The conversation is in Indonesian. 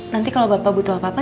nanti kalau bapak butuh apa apa